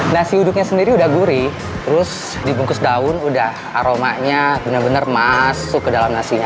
nasi uduknya sendiri udah gurih terus dibungkus daun udah aromanya benar benar masuk ke dalam nasinya